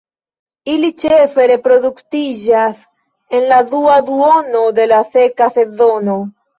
Ili ĉefe reproduktiĝas en la dua duono de la seka sezono.